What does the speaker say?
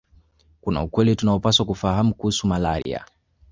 Kuna ukweli tunaopaswa kufahamu kuhusu malaria